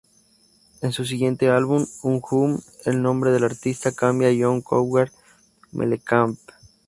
En su siguiente álbum, "Uh-Huh", el nombre del artista cambia a John Cougar Mellencamp.